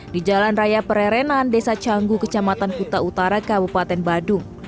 di jalan raya pererenan desa canggu kecamatan kuta utara kabupaten badung